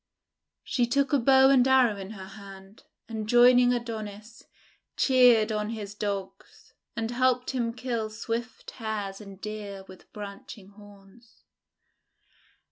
She took a bow and arrow in her hand, and joining Adonis, cheered on his Dogs, and helped him kill swift Hares and Deer with branching horns.